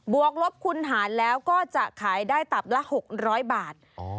วกลบคุณหารแล้วก็จะขายได้ตับละ๖๐๐บาท